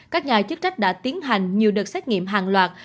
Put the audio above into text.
các nhà chức trách đã tiến hành nhiều đợt xét nghiệm hàng loạt